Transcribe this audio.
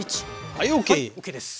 はいＯＫです。